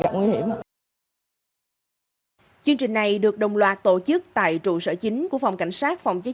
gặp nguy hiểm chương trình này được đồng loạt tổ chức tại trụ sở chính của phòng cảnh sát phòng cháy